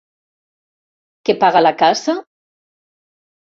Que paga la caça?